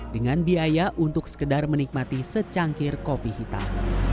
dengan biaya untuk sekedar menikmati secangkir kopi hitam